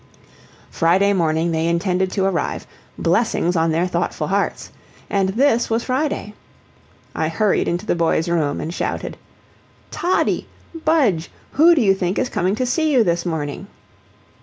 Friday morning they intended to arrive, blessings on their thoughtful hearts! and THIS was Friday. I hurried into the boys' room, and shouted: "Toddie! Budge! who do you think is coming to see you this morning?"